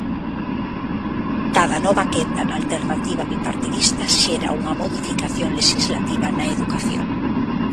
Cada nova quenda na alternativa bipartidista xera unha modificación lexislativa na educación.